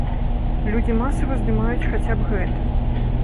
Людзі масава здымаюць хаця б гэта.